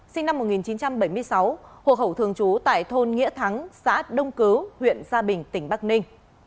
sinh năm một nghìn chín trăm bảy mươi sáu hộ khẩu thường trú tại thôn nghĩa thắng xã đông cứ huyện sa bình tỉnh bắc ninh